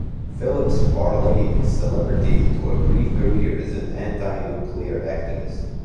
Phillips parlayed his celebrity into a brief career as an anti-nuclear activist.